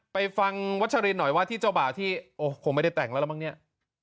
ไปฟังวัชรินหน่อยว่าที่เจ้าบ่าวที่โอ้คงไม่ได้แต่งแล้วละมั้งเนี่ย